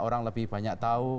orang lebih banyak tahu